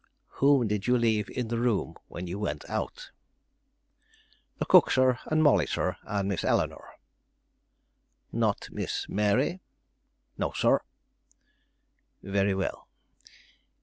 "Whom did you leave in the room when you went out?" "The cook, sir, and Molly, sir, and Miss Eleanore." "Not Miss Mary?" "No, sir." "Very well.